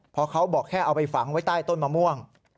เพราะเขาบอกแค่เอาไปฝังไว้ใต้ต้นมะม่วง